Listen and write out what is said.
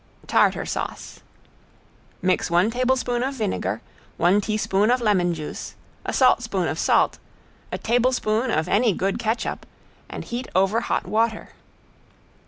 ~TARTAR SAUCE~ Mix one tablespoon of vinegar, one teaspoon of lemon juice, a saltspoon of salt, a tablespoon of any good catsup and heat over hot water.